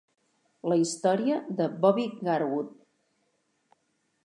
La història de Bobby Garwood.